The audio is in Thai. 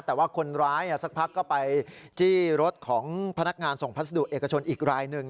แต่ว่าคนร้ายสักพักก็ไปจี้รถของพนักงานส่งพัสดุเอกชนอีกรายหนึ่ง